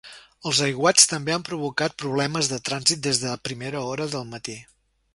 Els aiguats també han provocat problemes de trànsit des de primera hora del matí.